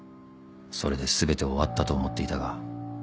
［それで全て終わったと思っていたが］